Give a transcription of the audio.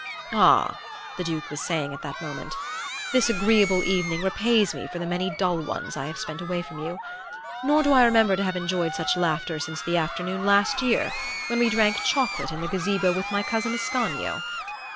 "'Ah,' the Duke was saying at that moment, 'this agreeable evening repays me for the many dull ones I have spent away from you; nor do I remember to have enjoyed such laughter since the afternoon last year when we drank chocolate in the gazebo with my cousin Ascanio.